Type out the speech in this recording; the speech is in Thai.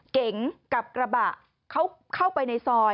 เก๋งกับกระบะเขาเข้าไปในซอย